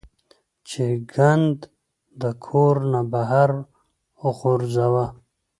چې ګند د کور نه بهر غورځوه -